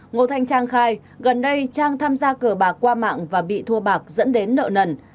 ngô thanh trang khai gần đây trang tham gia cờ bạc qua mạng và bị thua bạc dẫn đến nợ nần